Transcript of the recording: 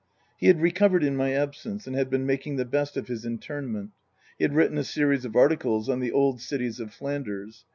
He had recovered in my absence and had been making the best of his internment. He had written a series of articles on " The Old Cities of Flanders."